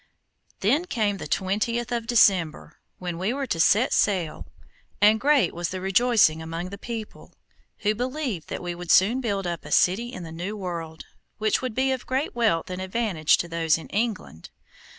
Then came the twentieth of December, when we were to set sail, and great was the rejoicing among the people, who believed that we would soon build up a city in the new world, which would be of great wealth and advantage to those in England.